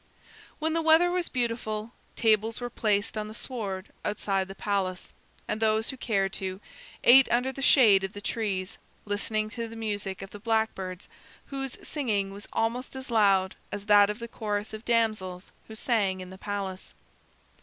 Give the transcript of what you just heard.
When the weather was beautiful, tables were placed on the sward outside the palace, and those who cared to, ate under the shade of the trees, listening to the music of the blackbirds, whose singing was almost as loud as that of the chorus of damsels who sang in the palace.